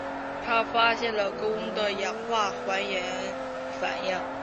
他发现了汞的氧化还原反应。